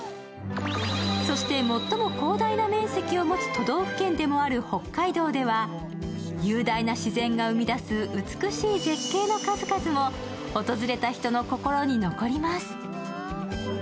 そして、最も広大な面積を持つ都道府県でもある北海道は雄大な自然が生み出す美しい絶景の数々も、訪れた人の心に残ります。